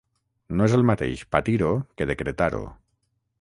No és el mateix patir-ho que decretar-ho.